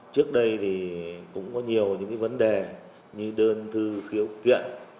trước đây thì cũng có nhiều những vấn đề như đơn thư khiếu kiện